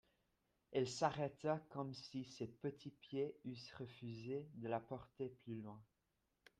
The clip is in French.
Elle s'arrêta comme si ses petits pieds eussent refusé de la porter plus loin.